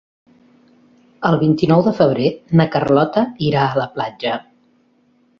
El vint-i-nou de febrer na Carlota irà a la platja.